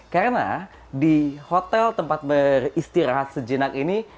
karena di hotel tempat beristirahat sejenak ini